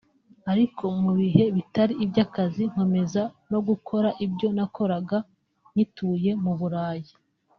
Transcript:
Ariko mu bihe bitari iby’akazi nkomeza no gukora ibyo nakoraga ngituye mu Burayi